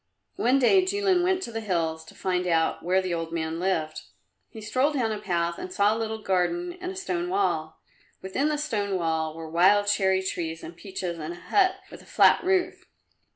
One day Jilin went to the hills to find out where the old man lived. He strolled down a path and saw a little garden and a stone wall; within the stone wall were wild cherry trees and peaches and a hut with a flat roof.